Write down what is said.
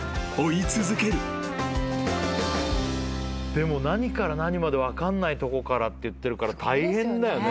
でも何から何まで分かんないとこからっていってるから大変だよね。